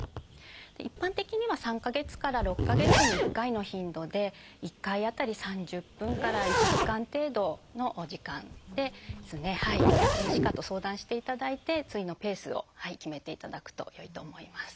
一般的には３か月から６か月に１回の頻度で１回当たり３０分から１時間程度のお時間ですね歯科と相談していただいて次のペースを決めていただくとよいと思います。